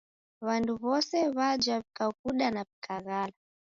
W'andu w'ose w'aja w'ikaghuda na w'ikaghala